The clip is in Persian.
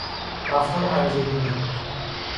رفتار هرزه گونه